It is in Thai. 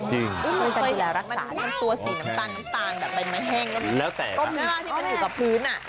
จริงมันตัวสีน้ำตาลน้ำตาลแบบใบไม้แห้งน้ำตาลที่มันอยู่กับพื้น